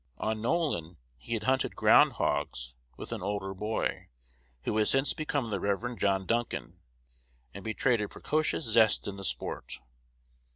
On Nolin he had hunted ground hogs with an older boy, who has since become the Rev. John Duncan, and betrayed a precocious zest in the sport.